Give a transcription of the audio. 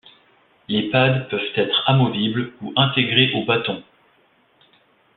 Les pads peuvent être amovibles ou intégrés au bâtons.